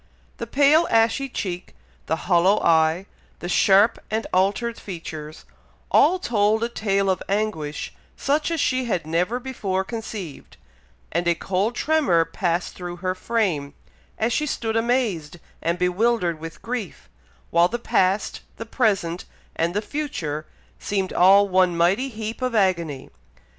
The pale ashy cheek, the hollow eye, the sharp and altered features, all told a tale of anguish such as she had never before conceived, and a cold tremor passed through her frame, as she stood amazed and bewildered with grief, while the past, the present, and the future seemed all one mighty heap of agony.